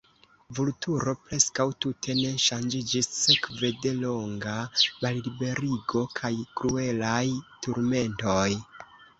Vulturo preskaŭ tute ne ŝanĝiĝis sekve de longa malliberigo kaj kruelaj turmentoj.